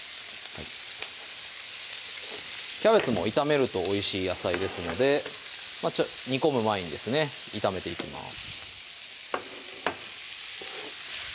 キャベツも炒めるとおいしい野菜ですので煮込む前にですね炒めていきます